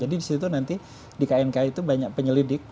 jadi di situ nanti di knk itu banyak penyelidik